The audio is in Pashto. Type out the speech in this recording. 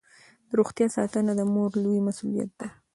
د روغتیا ساتنه د مور لویه مسوولیت ده.